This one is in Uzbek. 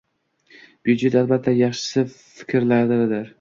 Byudjet, albatta, shaxsij fikrlardir